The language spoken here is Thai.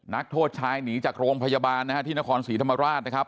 นักโทษชายหนีจากโรงพยาบาลนะฮะที่นครศรีธรรมราชนะครับ